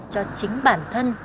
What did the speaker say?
cho chính bản thân